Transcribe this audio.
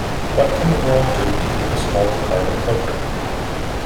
What can the world do to leave a smaller carbon footprint?